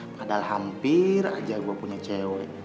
padahal hampir aja gue punya cewek